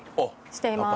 しています。